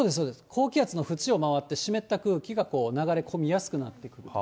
高気圧の縁を回って湿った空気が流れ込みやすくなってくると。